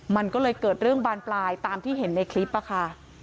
มันก็เลยเกิดเรื่องบานปลายตามที่เห็นในคลิปค่ะ